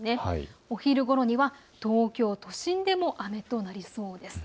お昼ごろには東京都心でも雨となりそうです。